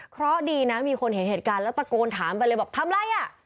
เพราะดีนะมีคนเห็นเหตุการณ์แล้วตะโกนถามไปเลยบอกทำอะไรอ่ะ